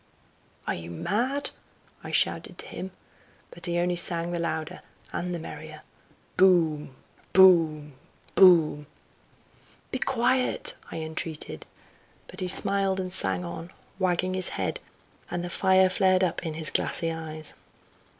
"Are you mad?" I shouted to him. But he only sang the louder and the merrier, "Boom! boom! boom!" "Be quiet!" I entreated. But he smiled and sang on, wagging his head, and the fire flared up in his glassy eyes.